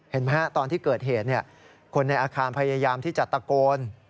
เห็นไหมฮะตอนที่เกิดเหตุคนในอาคารพยายามที่จะตะโกน